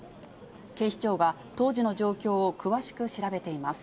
警視庁は、当時の状況を詳しく調べています。